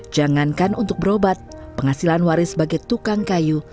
jangankan untuk berobat penghasilan waris sebagai tukang kayu